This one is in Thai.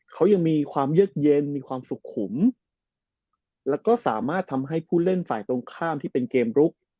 เขายังมีความเยือกเย็นมีความสุขุมแล้วก็สามารถทำให้ผู้เล่นฝ่ายตรงข้ามที่เป็นเกมลุก